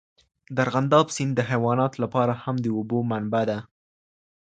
د ارغنداب سیند د حیواناتو لپاره هم د اوبو منبع ده.